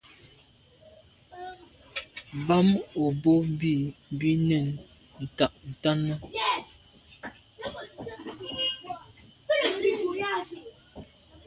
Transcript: Bàm o bo bi bi nèn nta ntàne.